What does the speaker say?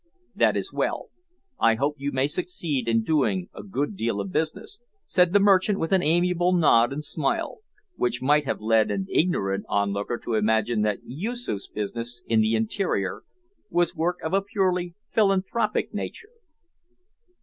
"That is well; I hope you may succeed in doing a good deal of business," said the merchant with an amiable nod and smile, which might have led an ignorant onlooker to imagine that Yoosoof's business in the interior was work of a purely philanthropic nature!